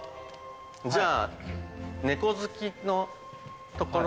じゃあ猫好きのところからの。